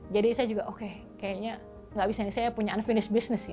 jadi saya juga oke kayaknya nggak bisa nih saya punya unfinished business